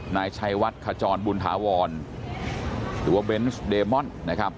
นายชัยวัดขจรบุญถาวรหรือว่าเบนส์เดมอนนะครับ